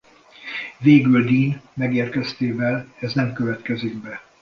Végül Dean megérkeztével ez nem következik be.